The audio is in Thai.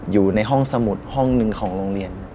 อยู่ในห้องสมุดห้องหนึ่งของโรงเรียน